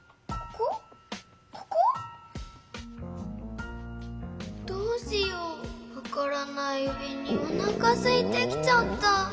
こころのこえどうしようわからない上におなかすいてきちゃった。